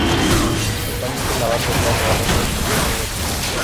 Actualmente la banda está trabajando en un nuevo disco.